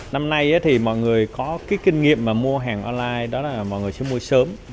năm nay mọi người có kinh nghiệm mua hàng online mọi người sẽ mua sớm